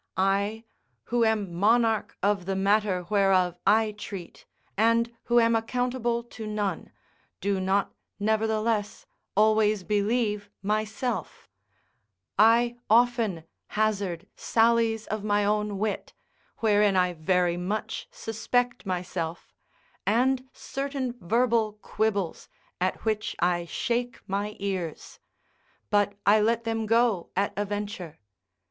I, who am monarch of the matter whereof I treat, and who am accountable to none, do not, nevertheless, always believe myself; I often hazard sallies of my own wit, wherein I very much suspect myself, and certain verbal quibbles, at which I shake my ears; but I let them go at a venture.